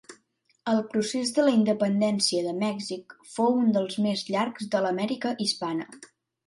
El procés de la independència de Mèxic fou un dels més llargs de l'Amèrica hispana.